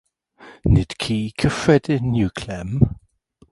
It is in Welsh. Nid ci cyffredin yw Clem!